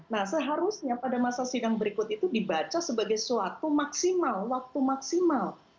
nah seharusnya pada masa sidang berikut itu dibaca sebagai suatu maksimal waktu maksimal